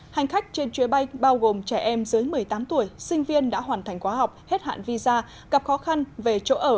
hành khách trên chuyến bay bao gồm trẻ em dưới một mươi tám tuổi sinh viên đã hoàn thành quá học hết hạn visa gặp khó khăn về chỗ ở